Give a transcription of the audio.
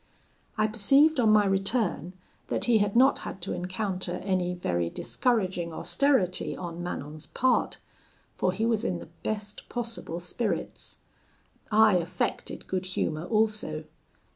"I perceived on my return that he had not had to encounter any very discouraging austerity on Manon's part, for he was in the best possible spirits. I affected good humour also.